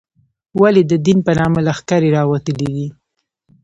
ولې د دین په نامه لښکرې راوتلې دي.